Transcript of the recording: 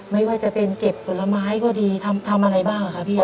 ไม่ว่าจะเป็นเก็บผลไม้ก็ดีทำอะไรบ้างครับพี่